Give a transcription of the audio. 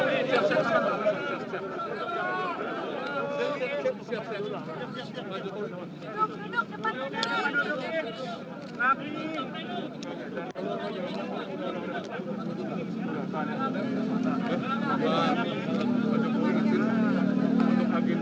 dan selain itu presiden jokowi dodo juga mengarahkan selanjutnya untuk membangun rumah yang standar anti gempa